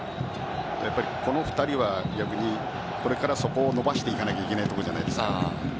この２人は逆にこれからそこを伸ばしていかなければいけないところじゃないですか。